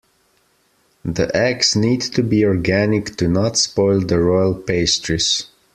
The eggs need to be organic to not spoil the royal pastries.